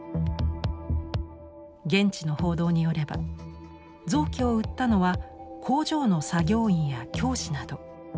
現地の報道によれば臓器を売ったのは工場の作業員や教師など。